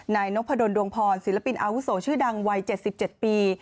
นายนพดลดวงพรศิลปินอาวุโสชื่อดังวัย๗๗ปี